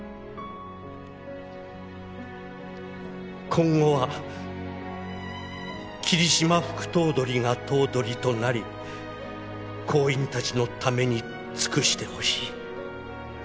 「今後は霧島副頭取が頭取となり行員たちのために尽くして欲しい」